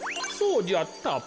そうじゃった。